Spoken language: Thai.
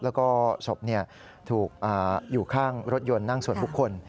แล้วก็ศพถูกอยู่ข้างรถยนต์นั่งส่วนบุคคล